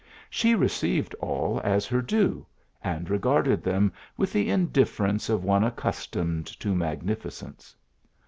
She tceived all as her due, and regarded them with the difference of one accustomed to magnificence.